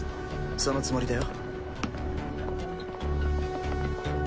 そのつもりだよ。